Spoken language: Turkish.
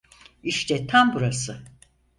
İşte tam burası.